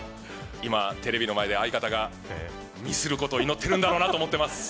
今テレビの前で相方がミスることを祈ってるんだろうなと思ってます